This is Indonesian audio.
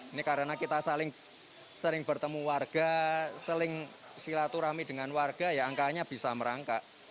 ini karena kita sering bertemu warga sering silaturahmi dengan warga ya angkanya bisa merangkak